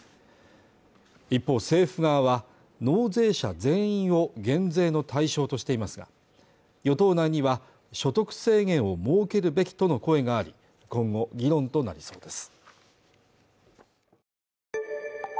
一方政府側は納税者全員を減税の対象としていますが与党内には所得制限を設けるべきとの声があり今後議論となりそうです